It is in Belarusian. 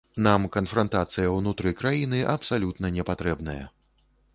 Нам канфрантацыя ўнутры краіны абсалютна не патрэбная.